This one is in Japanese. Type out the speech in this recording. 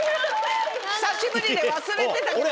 久しぶりで忘れてたけど。